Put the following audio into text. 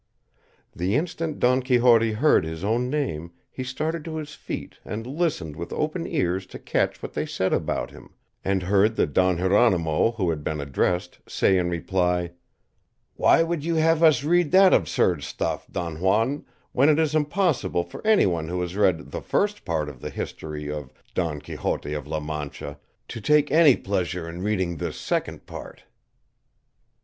'" The instant Don Quixote heard his own name, be started to his feet and listened with open ears to catch what they said about him, and heard the Don Jeronimo who had been addressed say in reply, "Why would you have us read that absurd stuff, Don Juan, when it is impossible for anyone who has read the First Part of the history of 'Don Quixote of La Mancha' to take any pleasure in reading this Second Part?"